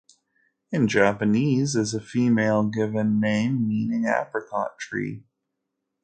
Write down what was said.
In Japanese, is a female given name meaning "apricot tree".